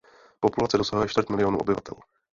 Populace dosahuje čtvrt milionu obyvatel.